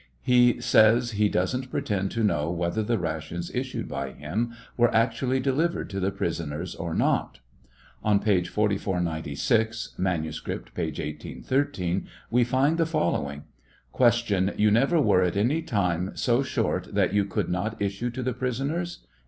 He says he doesn't pretend to know whether the rations issued by him were actually delivered to the prisoners or not. On page 4496, (manuscript, p. 1813,) we find the following: Q. You never were at any time so short that you could not issue to the prisoners